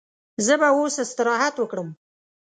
زه به اوس استراحت وکړم.